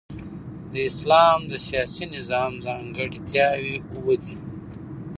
د اسلام د سیاسي نظام ځانګړتیاوي اووه دي.